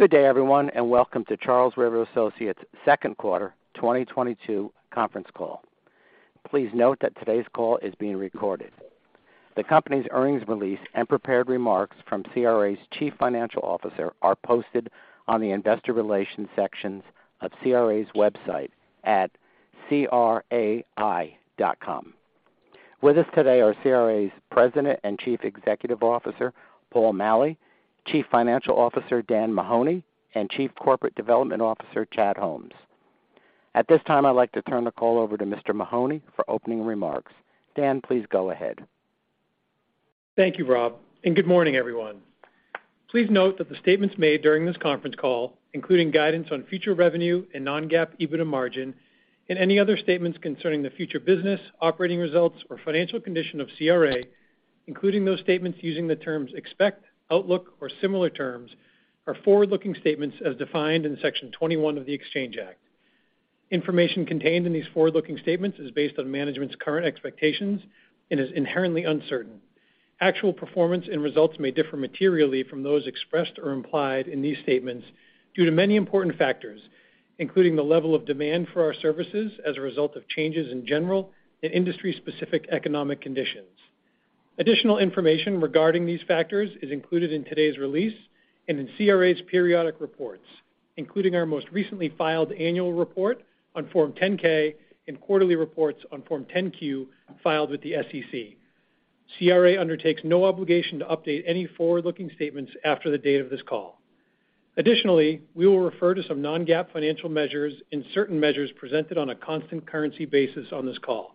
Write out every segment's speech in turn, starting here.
Good day, everyone, and welcome to Charles River Associates' second quarter 2022 conference call. Please note that today's call is being recorded. The company's earnings release and prepared remarks from CRA's Chief Financial Officer are posted on the Investor Relations sections of CRA's website at crai.com. With us today are CRA's President and Chief Executive Officer, Paul Maleh, Chief Financial Officer, Dan Mahoney, and Chief Corporate Development Officer, Chad Holmes. At this time, I'd like to turn the call over to Mr. Mahoney for opening remarks. Dan, please go ahead. Thank you, Rob, and good morning, everyone. Please note that the statements made during this conference call, including guidance on future revenue and non-GAAP EBITDA margin and any other statements concerning the future business, operating results or financial condition of CRA, including those statements using the terms expect, outlook or similar terms, are forward-looking statements as defined in Section 21E of the Securities Exchange Act. Information contained in these forward-looking statements is based on management's current expectations and is inherently uncertain. Actual performance and results may differ materially from those expressed or implied in these statements due to many important factors, including the level of demand for our services as a result of changes in general and industry-specific economic conditions. Additional information regarding these factors is included in today's release and in CRA's periodic reports, including our most recently filed annual report on Form 10-K and quarterly reports on Form 10-Q filed with the SEC. CRA undertakes no obligation to update any forward-looking statements after the date of this call. Additionally, we will refer to some non-GAAP financial measures and certain measures presented on a constant currency basis on this call.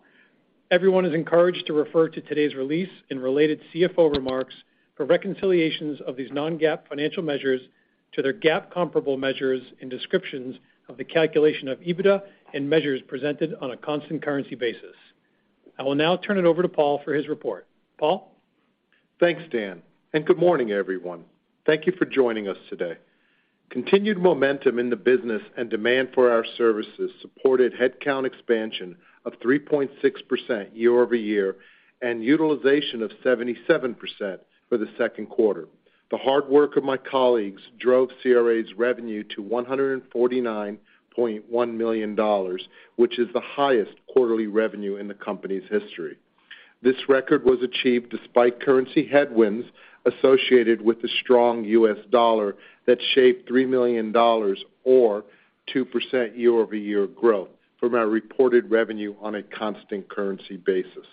Everyone is encouraged to refer to today's release and related CFO remarks for reconciliations of these non-GAAP financial measures to their GAAP comparable measures and descriptions of the calculation of EBITDA and measures presented on a constant currency basis. I will now turn it over to Paul for his report. Paul. Thanks, Dan, and good morning, everyone. Thank you for joining us today. Continued momentum in the business and demand for our services supported headcount expansion of 3.6% year-over-year and utilization of 77% for the second quarter. The hard work of my colleagues drove CRA's revenue to $149.1 million, which is the highest quarterly revenue in the company's history. This record was achieved despite currency headwinds associated with the strong U.S. Dollar that shaved $3 million or 2% year-over-year growth from our reported revenue on a constant currency basis.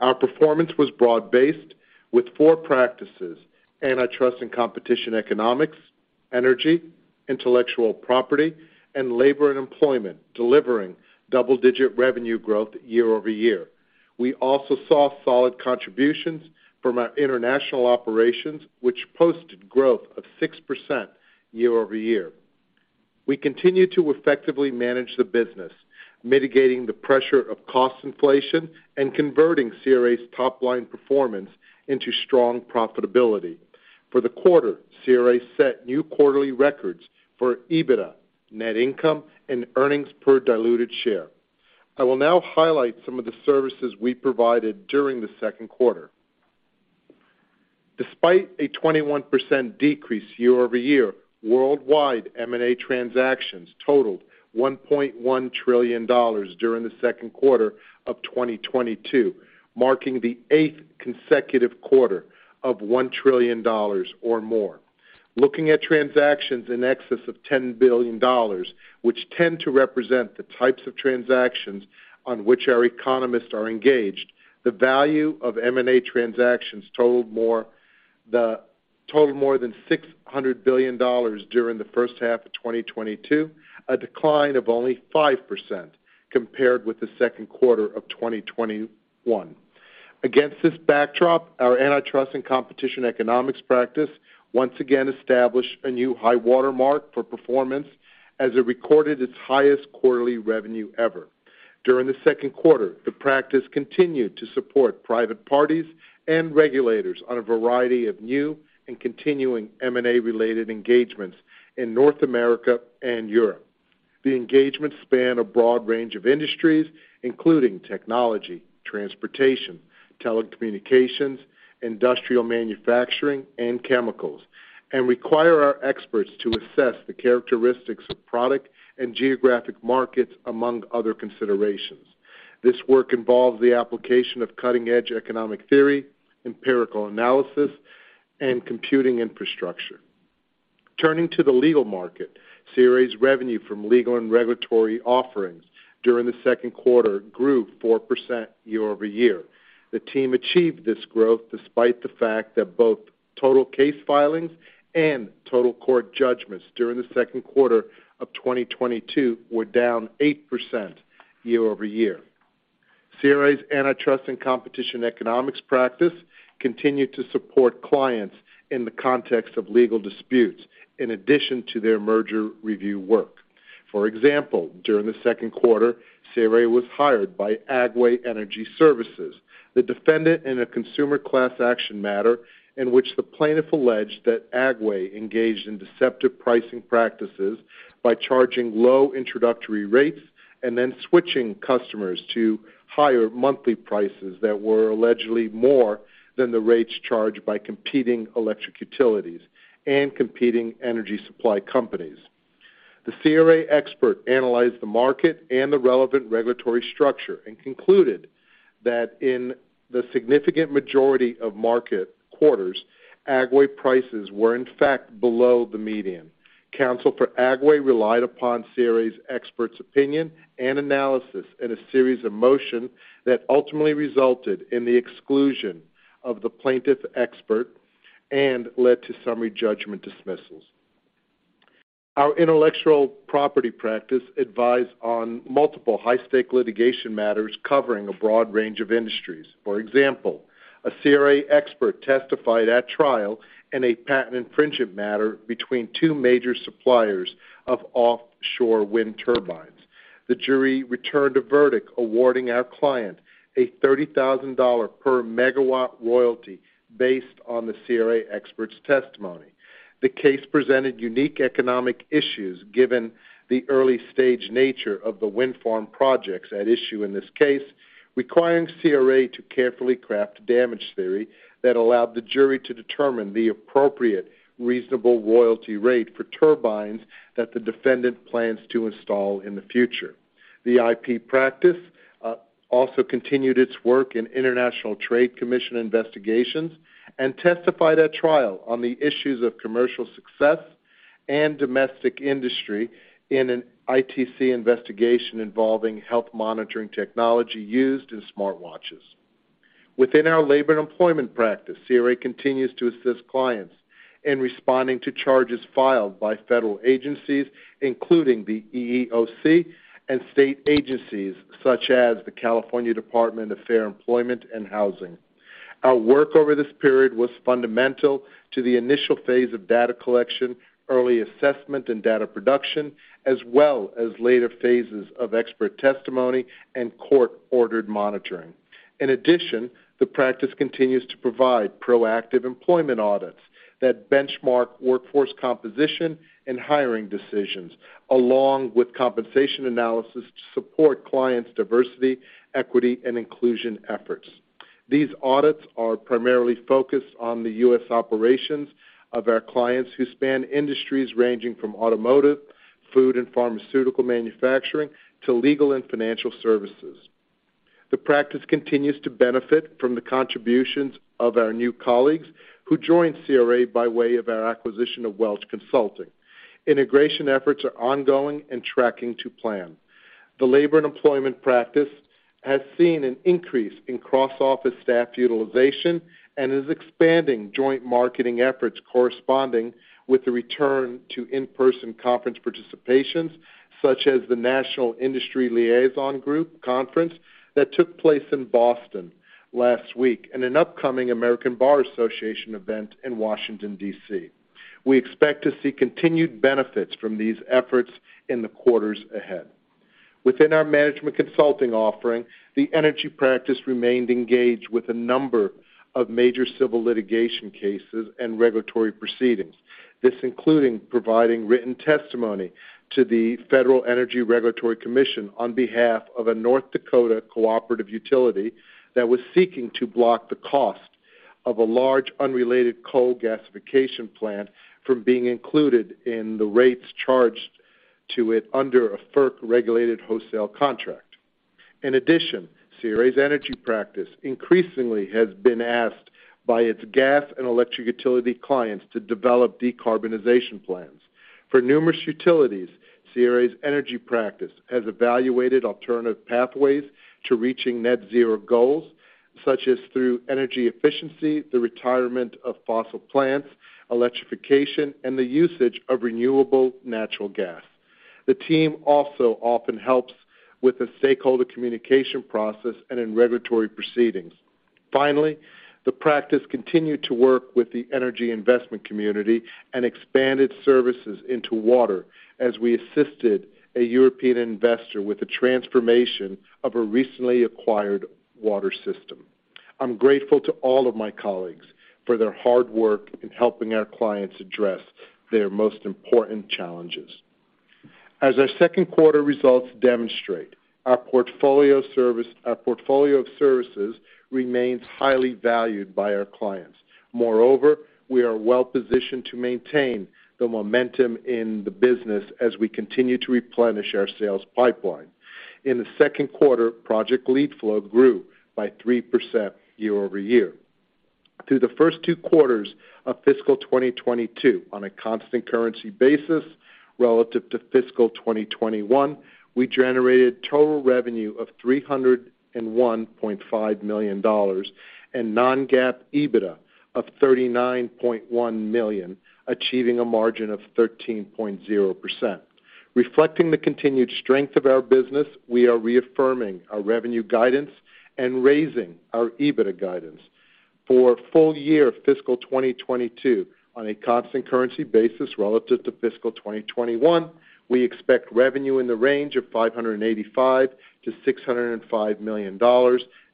Our performance was broad-based with four practices, Antitrust & Competition Economics Practice, Energy Practice, Intellectual Property Practice, and Labor & Employment Practice, delivering double-digit revenue growth year-over-year. We also saw solid contributions from our international operations, which posted growth of 6% year-over-year. We continue to effectively manage the business, mitigating the pressure of cost inflation and converting CRA's top line performance into strong profitability. For the quarter, CRA set new quarterly records for EBITDA, net income, and earnings per diluted share. I will now highlight some of the services we provided during the second quarter. Despite a 21% decrease year over year, worldwide M&A transactions totaled $1.1 trillion during the second quarter of 2022, marking the eighth consecutive quarter of $1 trillion or more. Looking at transactions in excess of $10 billion, which tend to represent the types of transactions on which our economists are engaged, the value of M&A transactions totaled more than $600 billion during the first half of 2022, a decline of only 5% compared with the second quarter of 2021. Against this backdrop, our Antitrust & Competition Economics Practice once again established a new high watermark for performance as it recorded its highest quarterly revenue ever. During the second quarter, the practice continued to support private parties and regulators on a variety of new and continuing M&A-related engagements in North America and Europe. The engagements span a broad range of industries, including technology, transportation, telecommunications, industrial manufacturing, and chemicals, and require our experts to assess the characteristics of product and geographic markets, among other considerations. This work involves the application of cutting-edge economic theory, empirical analysis, and computing infrastructure. Turning to the legal market, CRA's revenue from legal and regulatory offerings during the second quarter grew 4% year-over-year. The team achieved this growth despite the fact that both total case filings and total court judgments during the second quarter of 2022 were down 8% year-over-year. CRA's Antitrust & Competition Economics Practice continued to support clients in the context of legal disputes in addition to their merger review work. For example, during the second quarter, CRA was hired by Agway Energy Services, the defendant in a consumer class action matter in which the plaintiff alleged that Agway Energy Services engaged in deceptive pricing practices by charging low introductory rates and then switching customers to higher monthly prices that were allegedly more than the rates charged by competing electric utilities and competing energy supply companies. The CRA expert analyzed the market and the relevant regulatory structure and concluded that in the significant majority of market quarters, Agway Energy Services prices were in fact below the median. Counsel for Agway Energy Services relied upon CRA's expert's opinion and analysis in a series of motions that ultimately resulted in the exclusion of the plaintiff's expert and led to summary judgment dismissals. Our Intellectual Property Practice advised on multiple high-stakes litigation matters covering a broad range of industries. For example, a CRA expert testified at trial in a patent infringement matter between two major suppliers of offshore wind turbines. The jury returned a verdict awarding our client a $30,000 per megawatt royalty based on the CRA expert's testimony. The case presented unique economic issues given the early-stage nature of the wind farm projects at issue in this case, requiring CRA to carefully craft a damage theory that allowed the jury to determine the appropriate reasonable royalty rate for turbines that the defendant plans to install in the future. The IP practice also continued its work in International Trade Commission investigations and testified at trial on the issues of commercial success and domestic industry in an ITC investigation involving health monitoring technology used in smartwatches. Within our Labor & Employment Practice, CRA continues to assist clients in responding to charges filed by federal agencies, including the EEOC and state agencies such as the California Department of Fair Employment and Housing. Our work over this period was fundamental to the initial phase of data collection, early assessment, and data production, as well as later phases of expert testimony and court-ordered monitoring. In addition, the practice continues to provide proactive employment audits that benchmark workforce composition and hiring decisions, along with compensation analysis to support clients' diversity, equity, and inclusion efforts. These audits are primarily focused on the U.S. operations of our clients who span industries ranging from automotive, food and pharmaceutical manufacturing to legal and financial services. The practice continues to benefit from the contributions of our new colleagues who joined CRA by way of our acquisition of Welch Consulting. Integration efforts are ongoing and tracking to plan. The Labor & Employment Practice has seen an increase in cross-office staff utilization and is expanding joint marketing efforts corresponding with the return to in-person conference participations, such as the National Industry Liaison Group Conference that took place in Boston last week and an upcoming American Bar Association event in Washington, D.C. We expect to see continued benefits from these efforts in the quarters ahead. Within our management consulting offering, the Energy Practice remained engaged with a number of major civil litigation cases and regulatory proceedings. This including providing written testimony to the Federal Energy Regulatory Commission on behalf of a North Dakota cooperative utility that was seeking to block the cost of a large unrelated coal gasification plant from being included in the rates charged to it under a FERC-regulated wholesale contract. In addition, CRA's Energy Practice increasingly has been asked by its gas and electric utility clients to develop decarbonization plans. For numerous utilities, CRA's Energy Practice has evaluated alternative pathways to reaching net zero goals, such as through energy efficiency, the retirement of fossil plants, electrification, and the usage of renewable natural gas. The team also often helps with the stakeholder communication process and in regulatory proceedings. Finally, the practice continued to work with the energy investment community and expanded services into water as we assisted a European investor with the transformation of a recently acquired water system. I'm grateful to all of my colleagues for their hard work in helping our clients address their most important challenges. As our second quarter results demonstrate, our portfolio of services remains highly valued by our clients. Moreover, we are well-positioned to maintain the momentum in the business as we continue to replenish our sales pipeline. In the second quarter, project lead flow grew by 3% year-over-year. Through the first two quarters of fiscal 2022, on a constant currency basis relative to fiscal 2021, we generated total revenue of $301.5 million and non-GAAP EBITDA of $39.1 million, achieving a margin of 13.0%. Reflecting the continued strength of our business, we are reaffirming our revenue guidance and raising our EBITDA guidance. For full year fiscal 2022, on a constant currency basis relative to fiscal 2021, we expect revenue in the range of $585 million-$605 million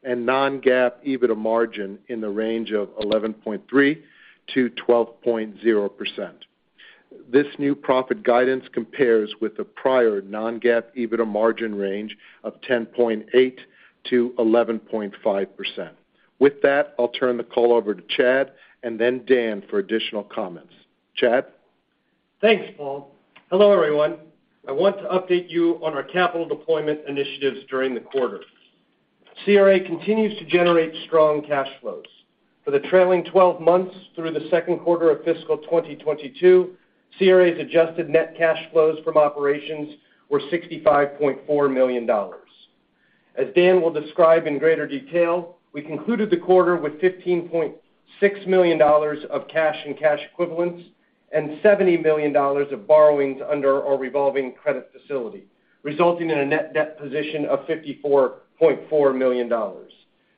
and non-GAAP EBITDA margin in the range of 11.3%-12.0%. This new profit guidance compares with the prior non-GAAP EBITDA margin range of 10.8%-11.5%. With that, I'll turn the call over to Chad and then Dan for additional comments. Chad? Thanks, Paul. Hello, everyone. I want to update you on our capital deployment initiatives during the quarter. CRA continues to generate strong cash flows. For the trailing twelve months through the second quarter of fiscal 2022, CRA's adjusted net cash flows from operations were $65.4 million. As Dan will describe in greater detail, we concluded the quarter with $15.6 million of cash and cash equivalents, and $70 million of borrowings under our revolving credit facility, resulting in a net debt position of $54.4 million.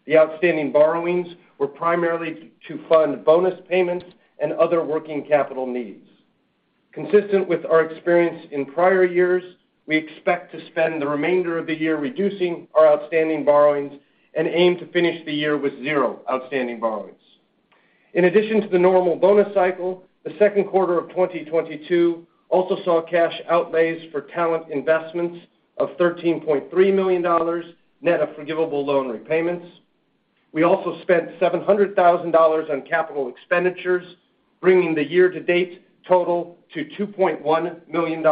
The outstanding borrowings were primarily to fund bonus payments and other working capital needs. Consistent with our experience in prior years, we expect to spend the remainder of the year reducing our outstanding borrowings and aim to finish the year with zero outstanding borrowings. In addition to the normal bonus cycle, the second quarter of 2022 also saw cash outlays for talent investments of $13.3 million net of forgivable loan repayments. We also spent $700 thousand on capital expenditures, bringing the year-to-date total to $2.1 million.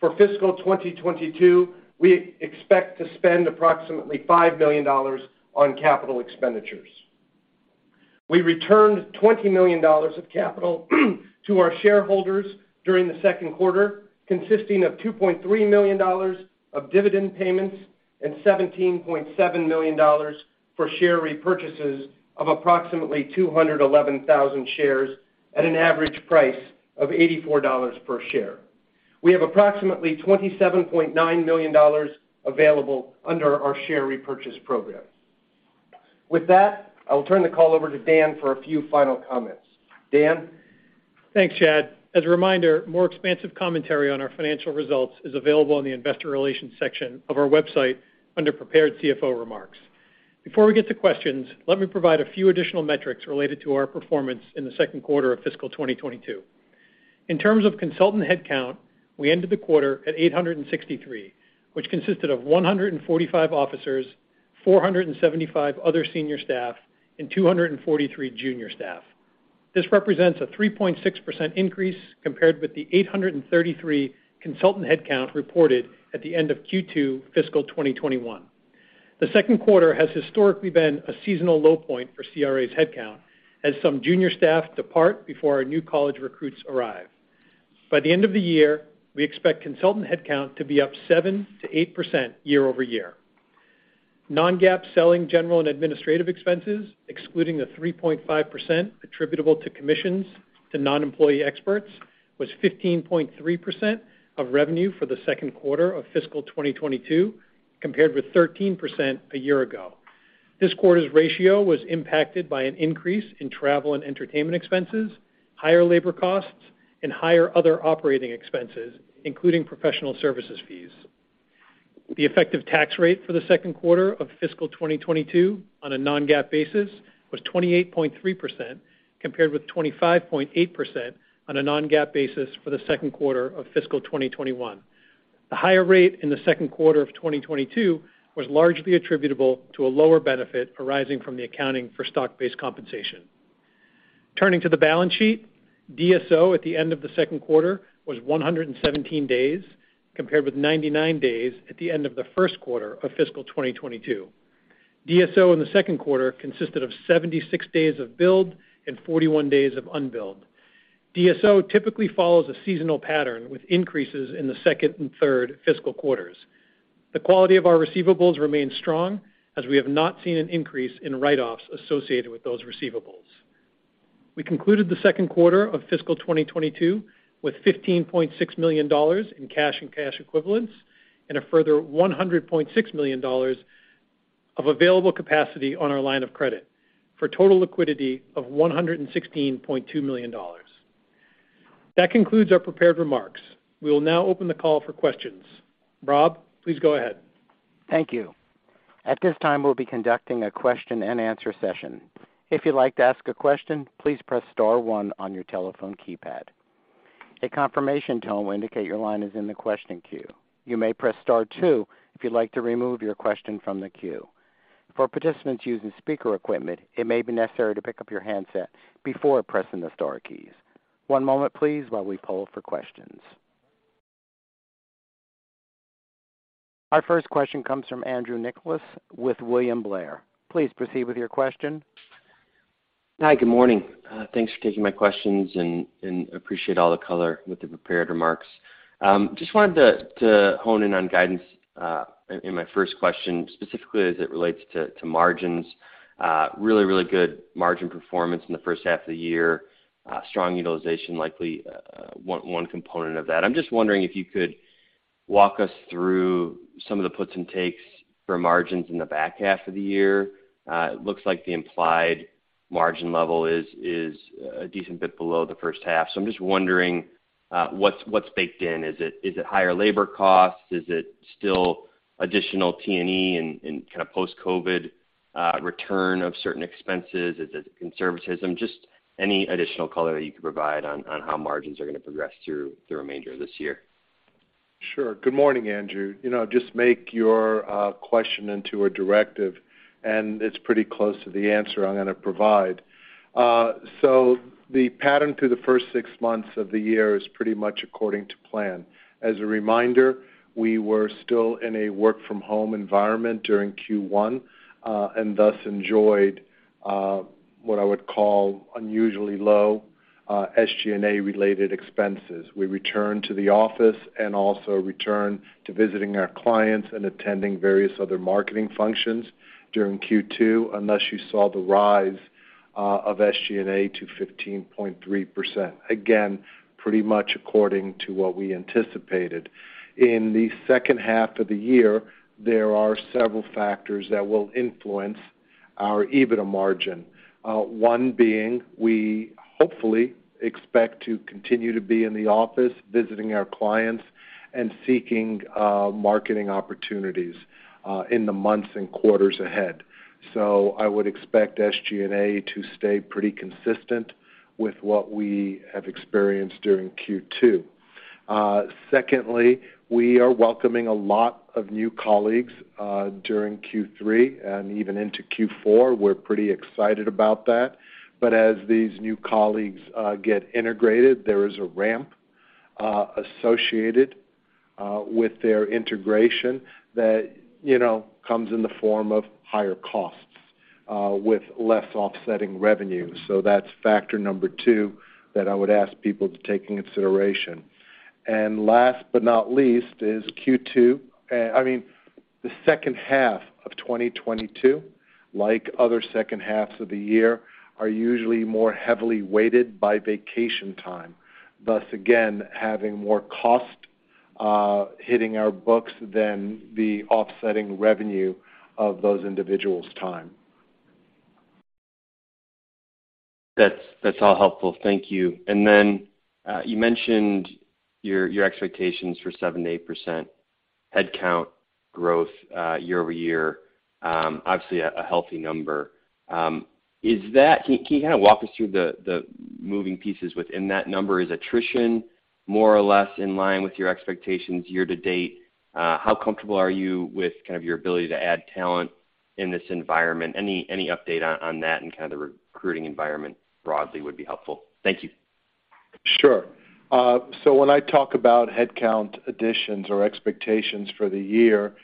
For fiscal 2022, we expect to spend approximately $5 million on capital expenditures. We returned $20 million of capital to our shareholders during the second quarter, consisting of $2.3 million of dividend payments and $17.7 million for share repurchases of approximately 211,000 shares at an average price of $84 per share. We have approximately $27.9 million available under our share repurchase program. With that, I will turn the call over to Dan for a few final comments. Dan? Thanks, Chad. As a reminder, more expansive commentary on our financial results is available in the Investor Relations section of our website under Prepared CFO Remarks. Before we get to questions, let me provide a few additional metrics related to our performance in the second quarter of fiscal 2022. In terms of consultant headcount, we ended the quarter at 863, which consisted of 145 officers, 475 other senior staff, and 243 junior staff. This represents a 3.6% increase compared with the 833 consultant headcount reported at the end of Q2 fiscal 2021. The second quarter has historically been a seasonal low point for CRA's headcount, as some junior staff depart before our new college recruits arrive. By the end of the year, we expect consultant headcount to be up 7%-8% year-over-year. non-GAAP selling, general and administrative expenses, excluding the 3.5% attributable to commissions to non-employee experts, was 15.3% of revenue for the second quarter of fiscal 2022, compared with 13% a year ago. This quarter's ratio was impacted by an increase in travel and entertainment expenses, higher labor costs, and higher other operating expenses, including professional services fees. The effective tax rate for the second quarter of fiscal 2022 on a non-GAAP basis was 28.3%, compared with 25.8% on a non-GAAP basis for the second quarter of fiscal 2021. The higher rate in the second quarter of 2022 was largely attributable to a lower benefit arising from the accounting for stock-based compensation. Turning to the balance sheet, DSO at the end of the second quarter was 117 days, compared with 99 days at the end of the first quarter of fiscal 2022. DSO in the second quarter consisted of 76 days of build and 41 days of unbilled. DSO typically follows a seasonal pattern with increases in the second and third fiscal quarters. The quality of our receivables remains strong as we have not seen an increase in write-offs associated with those receivables. We concluded the second quarter of fiscal 2022 with $15.6 million in cash and cash equivalents and a further $100.6 million of available capacity on our line of credit for total liquidity of $116.2 million. That concludes our prepared remarks. We will now open the call for questions. Rob, please go ahead. Thank you. At this time, we'll be conducting a question and answer session. If you'd like to ask a question, please press star one on your telephone keypad. A confirmation tone will indicate your line is in the question queue. You may press star two if you'd like to remove your question from the queue. For participants using speaker equipment, it may be necessary to pick up your handset before pressing the star keys. One moment please while we poll for questions. Our first question comes from Andrew Nicholas with William Blair. Please proceed with your question. Hi, good morning. Thanks for taking my questions and appreciate all the color with the prepared remarks. Just wanted to hone in on guidance in my first question, specifically as it relates to margins. Really good margin performance in the first half of the year. Strong utilization likely one component of that. I'm just wondering if you could walk us through some of the puts and takes for margins in the back half of the year. It looks like the implied margin level is a decent bit below the first half. I'm just wondering what's baked in? Is it higher labor costs? Is it still additional T&E and kind of post-COVID return of certain expenses? Is it conservatism? Just any additional color that you could provide on how margins are gonna progress through the remainder of this year? Sure. Good morning, Andrew. You know, just make your question into a directive, and it's pretty close to the answer I'm gonna provide. The pattern through the first six months of the year is pretty much according to plan. As a reminder, we were still in a work from home environment during Q1, and thus enjoyed what I would call unusually low SG&A-related expenses. We returned to the office and also returned to visiting our clients and attending various other marketing functions during Q2, as you saw the rise of SG&A to 15.3%. Again, pretty much according to what we anticipated. In the second half of the year, there are several factors that will influence our EBITDA margin. One being we hopefully expect to continue to be in the office visiting our clients and seeking marketing opportunities in the months and quarters ahead. I would expect SG&A to stay pretty consistent with what we have experienced during Q2. Secondly, we are welcoming a lot of new colleagues during Q3 and even into Q4. We're pretty excited about that. As these new colleagues get integrated, there is a ramp associated with their integration that, you know, comes in the form of higher costs with less offsetting revenues. That's factor number two that I would ask people to take into consideration. Last but not least is the second half of 2022, like other second halves of the year, are usually more heavily weighted by vacation time, thus, again, having more cost hitting our books than the offsetting revenue of those individuals' time. That's all helpful. Thank you. You mentioned your expectations for 7%-8% headcount growth year-over-year, obviously a healthy number. Can you kind of walk us through the moving pieces within that number? Is attrition more or less in line with your expectations year-to-date? How comfortable are you with kind of your ability to add talent in this environment? Any update on that and kind of the recruiting environment broadly would be helpful. Thank you. Sure. When I talk about headcount additions or expectations for the year,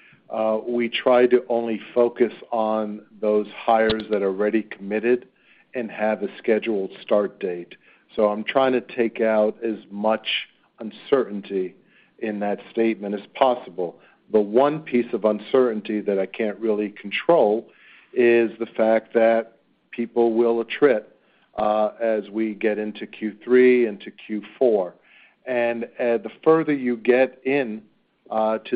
we try to only focus on those hires that are already committed and have a scheduled start date. I'm trying to take out as much uncertainty in that statement as possible. The one piece of uncertainty that I can't really control is the fact that people will attrit as we get into Q3, into Q4. The further you get into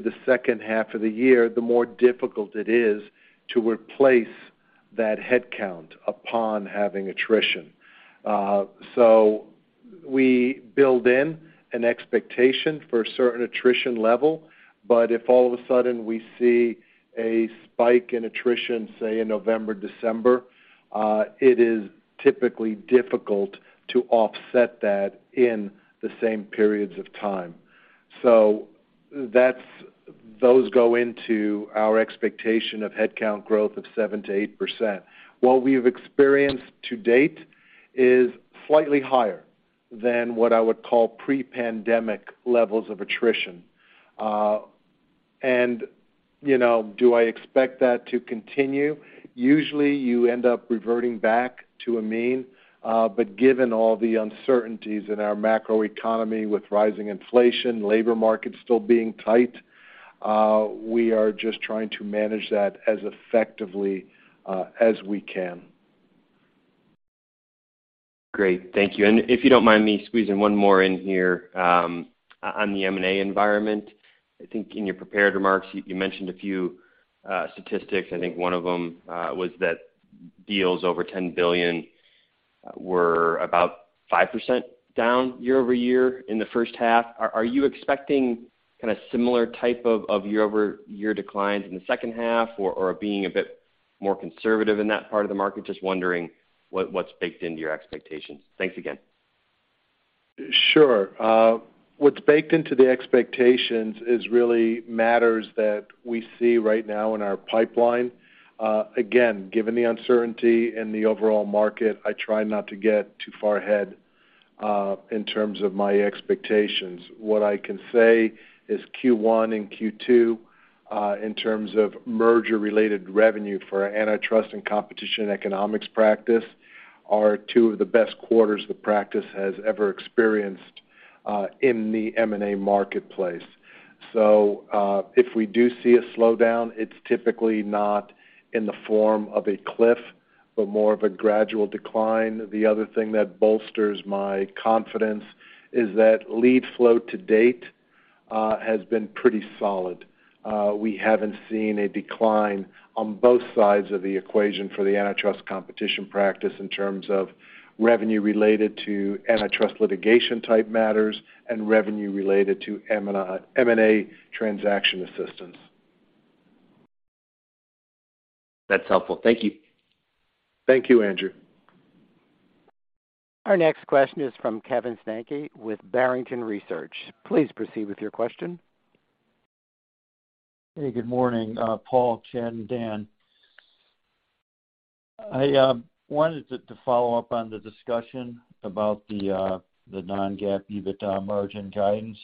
the second half of the year, the more difficult it is to replace that headcount upon having attrition. We build in an expectation for a certain attrition level, but if all of a sudden we see a spike in attrition, say in November, December, it is typically difficult to offset that in the same periods of time. That's those go into our expectation of headcount growth of 7%-8%. What we've experienced to date is slightly higher than what I would call pre-pandemic levels of attrition. You know, do I expect that to continue? Usually, you end up reverting back to a mean, but given all the uncertainties in our macro economy with rising inflation, labor markets still being tight, we are just trying to manage that as effectively as we can. Great. Thank you. If you don't mind me squeezing one more in here, on the M&A environment. I think in your prepared remarks, you mentioned a few statistics. I think one of them was that deals over $10 billion were about 5% down year-over-year in the first half. Are you expecting kinda similar type of year-over-year declines in the second half or being a bit more conservative in that part of the market? Just wondering what's baked into your expectations. Thanks again. Sure. What's baked into the expectations is really matters that we see right now in our pipeline. Again, given the uncertainty in the overall market, I try not to get too far ahead in terms of my expectations. What I can say is Q1 and Q2 in terms of merger-related revenue for Antitrust & Competition Economics Practice are two of the best quarters the practice has ever experienced in the M&A marketplace. If we do see a slowdown, it's typically not in the form of a cliff, but more of a gradual decline. The other thing that bolsters my confidence is that lead flow to date has been pretty solid. We haven't seen a decline on both sides of the equation for the Antitrust & Competition Practice in terms of revenue related to antitrust litigation type matters and revenue related to M&A transaction assistance. That's helpful. Thank you. Thank you, Andrew. Our next question is from Kevin Steinke with Barrington Research. Please proceed with your question. Hey, good morning, Paul, Chad, Dan. I wanted to follow up on the discussion about the non-GAAP EBITDA margin guidance.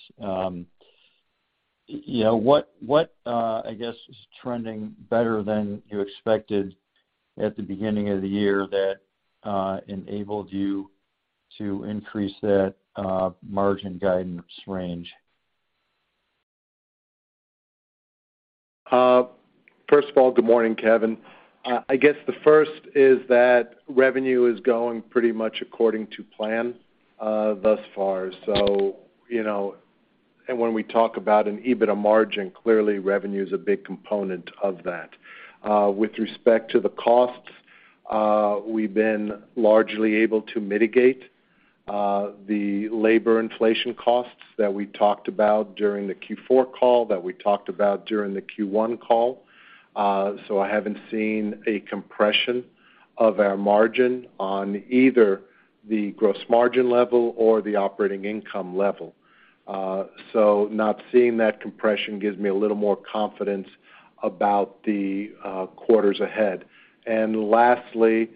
You know, what I guess is trending better than you expected at the beginning of the year that enabled you to increase that margin guidance range? First of all, good morning, Kevin. I guess the first is that revenue is going pretty much according to plan, thus far. You know, when we talk about an EBITDA margin, clearly revenue is a big component of that. With respect to the costs, we've been largely able to mitigate the labor inflation costs that we talked about during the Q4 call and the Q1 call. I haven't seen a compression of our margin on either the gross margin level or the operating income level. Not seeing that compression gives me a little more confidence about the quarters ahead. Lastly,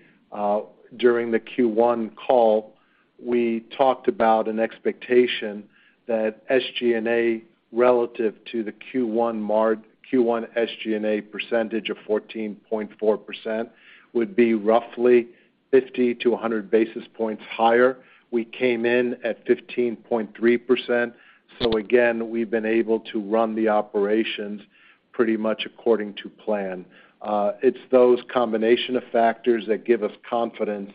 during the Q1 call, we talked about an expectation that SG&A relative to the Q1 SG&A percentage of 14.4% would be roughly 50-100 basis points higher. We came in at 15.3%. Again, we've been able to run the operations pretty much according to plan. It's those combination of factors that give us confidence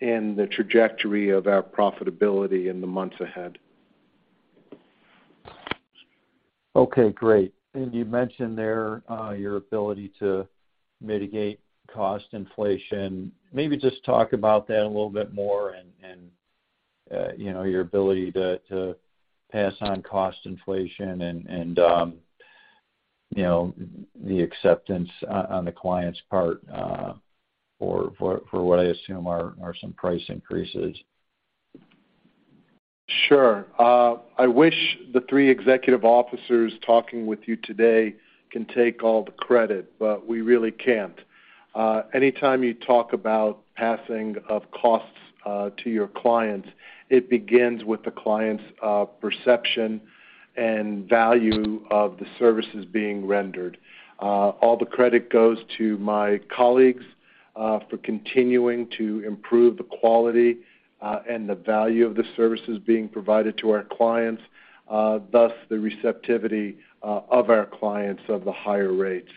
in the trajectory of our profitability in the months ahead. Okay, great. You mentioned there your ability to mitigate cost inflation. Maybe just talk about that a little bit more and you know your ability to pass on cost inflation and you know the acceptance on the client's part for what I assume are some price increases. Sure. I wish the three executive officers talking with you today can take all the credit, but we really can't. Anytime you talk about passing of costs to your clients, it begins with the client's perception and value of the services being rendered. All the credit goes to my colleagues for continuing to improve the quality and the value of the services being provided to our clients, thus the receptivity of our clients of the higher rates.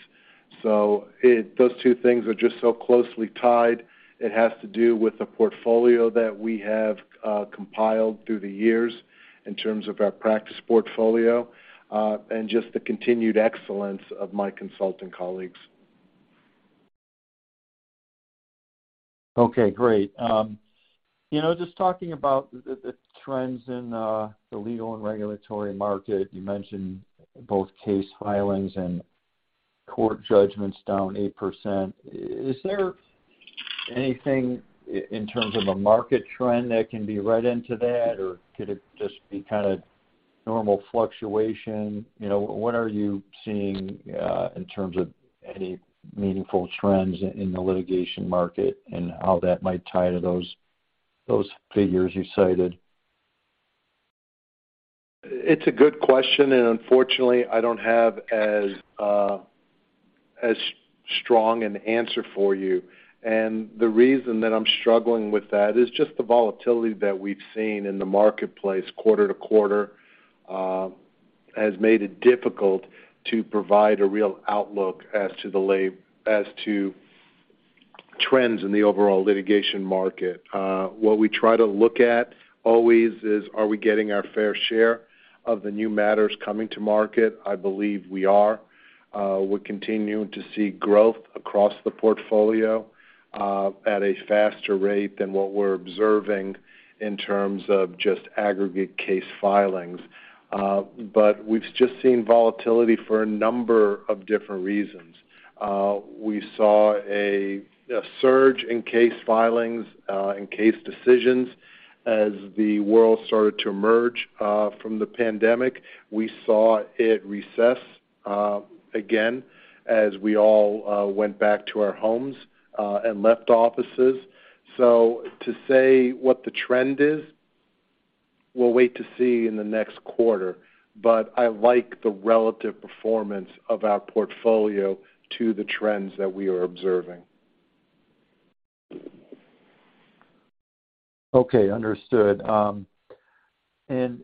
Those two things are just so closely tied. It has to do with the portfolio that we have compiled through the years in terms of our practice portfolio, and just the continued excellence of my consulting colleagues. Okay, great. You know, just talking about the trends in the legal and regulatory market, you mentioned both case filings and court judgments down 8%. Is there anything in terms of a market trend that can be read into that, or could it just be kind of normal fluctuation? You know, what are you seeing in terms of any meaningful trends in the litigation market and how that might tie to those figures you cited? It's a good question, and unfortunately, I don't have as strong an answer for you. The reason that I'm struggling with that is just the volatility that we've seen in the marketplace quarter to quarter has made it difficult to provide a real outlook as to trends in the overall litigation market. What we try to look at always is, are we getting our fair share of the new matters coming to market? I believe we are. We're continuing to see growth across the portfolio at a faster rate than what we're observing in terms of just aggregate case filings. But we've just seen volatility for a number of different reasons. We saw a surge in case filings in case decisions as the world started to emerge from the pandemic. We saw it recess again, as we all went back to our homes and left offices. To say what the trend is, we'll wait to see in the next quarter. I like the relative performance of our portfolio to the trends that we are observing. Okay. Understood. And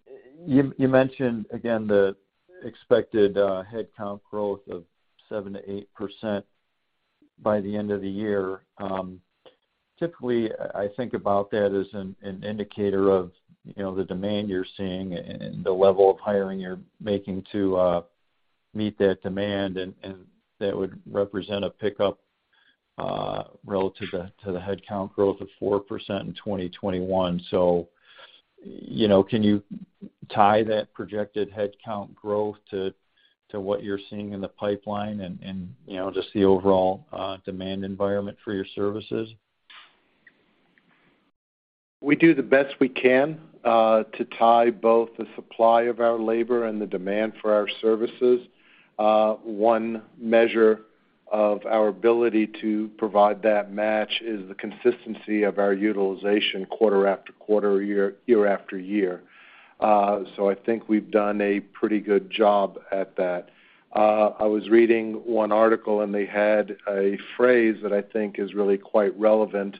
you mentioned, again, the expected headcount growth of 7%-8% by the end of the year. Typically, I think about that as an indicator of, you know, the demand you're seeing and the level of hiring you're making to meet that demand, and that would represent a pickup relative to the headcount growth of 4% in 2021. You know, can you tie that projected headcount growth to what you're seeing in the pipeline and, you know, just the overall demand environment for your services? We do the best we can to tie both the supply of our labor and the demand for our services. One measure of our ability to provide that match is the consistency of our utilization quarter after quarter, year after year. I think we've done a pretty good job at that. I was reading one article, and they had a phrase that I think is really quite relevant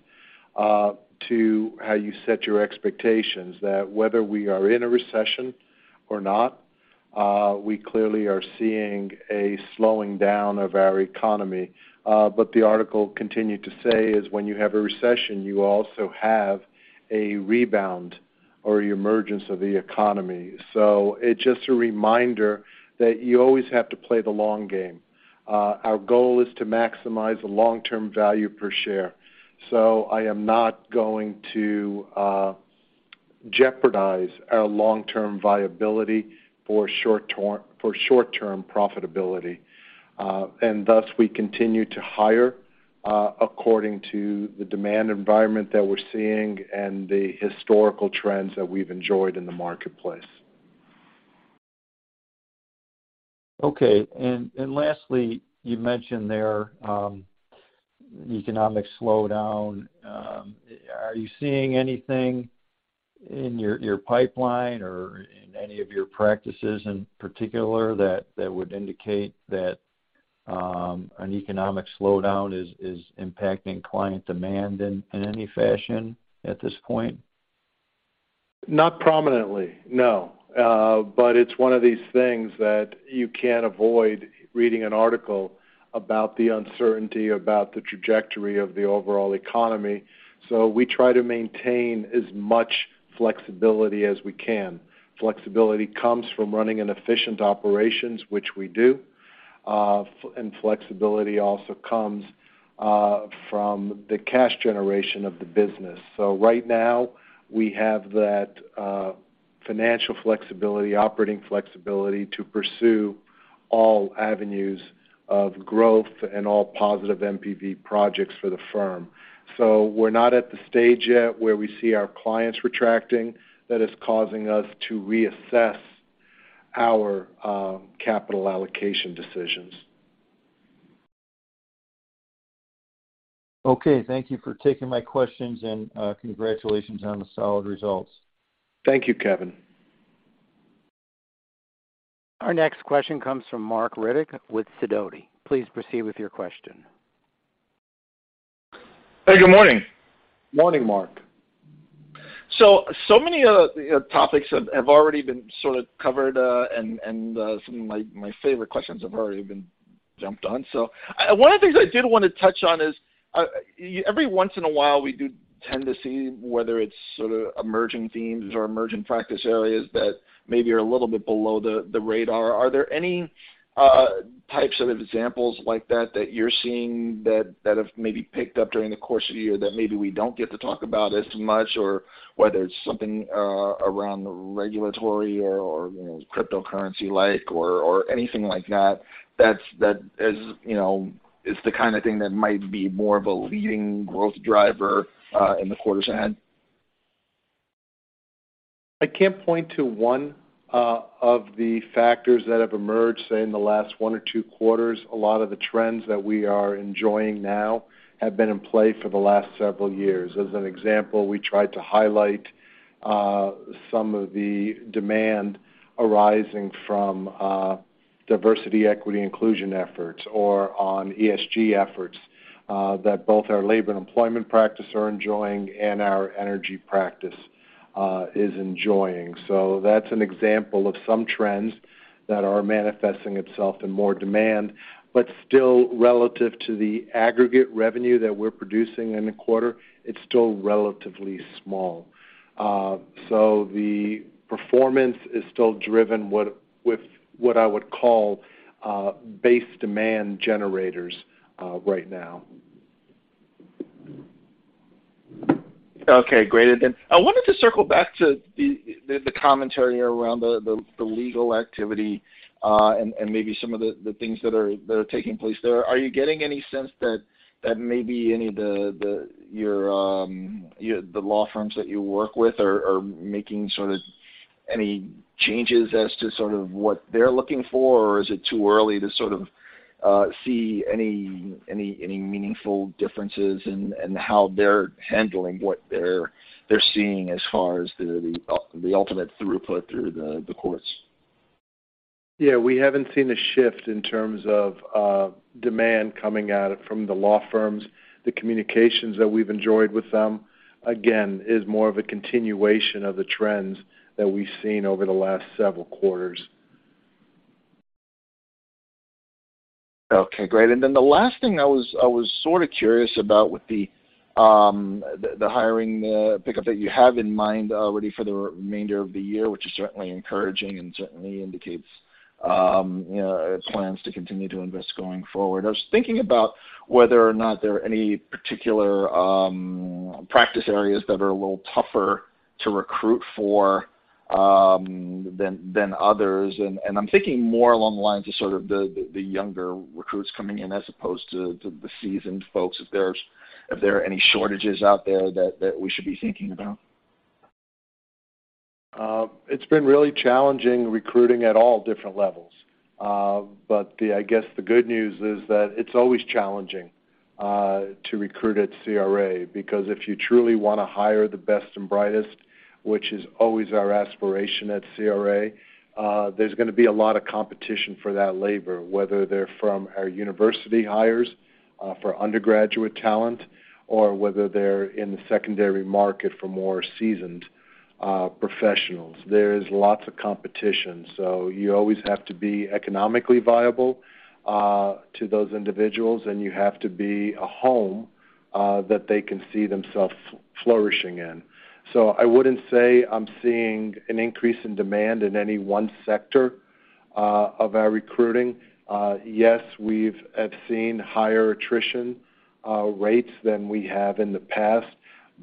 to how you set your expectations that whether we are in a recession or not, we clearly are seeing a slowing down of our economy. The article continued to say is "when you have a recession, you also have a rebound or the emergence of the economy". It's just a reminder that you always have to play the long game. Our goal is to maximize the long-term value per share. I am not going to jeopardize our long-term viability for short-term profitability. Thus, we continue to hire according to the demand environment that we're seeing and the historical trends that we've enjoyed in the marketplace. Okay. Lastly, you mentioned there, economic slowdown. Are you seeing anything in your pipeline or in any of your practices in particular that would indicate that an economic slowdown is impacting client demand in any fashion at this point? Not prominently, no. It's one of these things that you can't avoid reading an article about the uncertainty about the trajectory of the overall economy. We try to maintain as much flexibility as we can. Flexibility comes from running an efficient operations, which we do. Flexibility also comes from the cash generation of the business. Right now, we have that financial flexibility, operating flexibility to pursue all avenues of growth and all positive NPV projects for the firm. We're not at the stage yet where we see our clients retracting that is causing us to reassess our capital allocation decisions. Okay. Thank you for taking my questions and, congratulations on the solid results. Thank you, Kevin. Our next question comes from Marc Riddick with Sidoti. Please proceed with your question. Hey, good morning. Morning, Marc. Many topics have already been sort of covered, and some of my favorite questions have already been jumped on. One of the things I did wanna touch on is every once in a while, we do tend to see whether it's sort of emerging themes or emerging practice areas that maybe are a little bit below the radar. Are there any types of examples like that that you're seeing that have maybe picked up during the course of the year that maybe we don't get to talk about as much, or whether it's something around regulatory or you know, cryptocurrency-like or anything like that is you know, is the kinda thing that might be more of a leading growth driver in the quarters ahead? I can't point to one of the factors that have emerged, say, in the last one or two quarters. A lot of the trends that we are enjoying now have been in play for the last several years. As an example, we tried to highlight some of the demand arising from diversity, equity, inclusion efforts or on ESG efforts that both our Labor & Employment Practice are enjoying and our Energy Practice is enjoying. That's an example of some trends that are manifesting itself in more demand. Still relative to the aggregate revenue that we're producing in a quarter, it's still relatively small. The performance is still driven with what I would call base demand generators right now. Okay, great. I wanted to circle back to the commentary around the legal activity, and maybe some of the things that are taking place there. Are you getting any sense that maybe any of the law firms that you work with are making sort of any changes as to sort of what they're looking for? Or is it too early to sort of see any meaningful differences in how they're handling what they're seeing as far as the ultimate throughput through the courts? Yeah, we haven't seen a shift in terms of demand coming out from the law firms. The communications that we've enjoyed with them, again, is more of a continuation of the trends that we've seen over the last several quarters. Okay, great. The last thing I was sorta curious about with the hiring pickup that you have in mind already for the remainder of the year, which is certainly encouraging and certainly indicates you know plans to continue to invest going forward. I was thinking about whether or not there are any particular practice areas that are a little tougher to recruit for than others. I'm thinking more along the lines of sort of the younger recruits coming in as opposed to the seasoned folks, if there are any shortages out there that we should be thinking about. It's been really challenging recruiting at all different levels. I guess the good news is that it's always challenging to recruit at CRA because if you truly wanna hire the best and brightest, which is always our aspiration at CRA, there's gonna be a lot of competition for that labor, whether they're from our university hires for undergraduate talent or whether they're in the secondary market for more seasoned professionals. There is lots of competition, so you always have to be economically viable to those individuals, and you have to be a home that they can see themselves flourishing in. I wouldn't say I'm seeing an increase in demand in any one sector of our recruiting. Yes, we have seen higher attrition rates than we have in the past.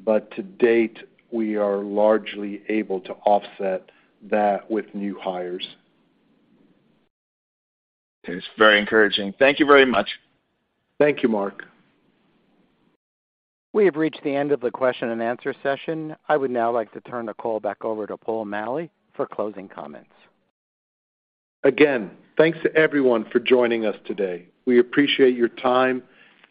To date, we are largely able to offset that with new hires. It's very encouraging. Thank you very much. Thank you, Marc. We have reached the end of the question and answer session. I would now like to turn the call back over to Paul Maleh for closing comments. Again, thanks to everyone for joining us today. We appreciate your time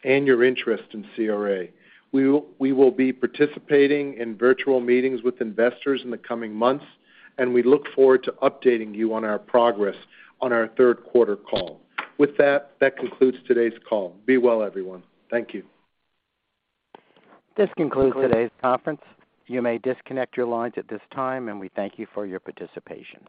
and your interest in CRA. We will be participating in virtual meetings with investors in the coming months, and we look forward to updating you on our progress on our third quarter call. With that concludes today's call. Be well, everyone. Thank you. This concludes today's conference. You may disconnect your lines at this time, and we thank you for your participation.